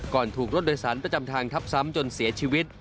ถูกรถโดยสารประจำทางทับซ้ำจนเสียชีวิต